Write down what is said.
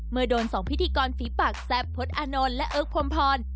เมื่อโดนสองพิธีกรฟีบปักแซปพฤตอานนท์และเอิ๊กพรพร